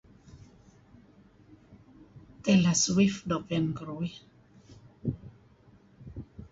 Taylor Swift doo' piyan keruih.